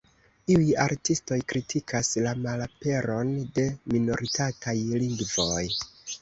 Iuj artistoj kritikas la malaperon de minoritataj lingvoj.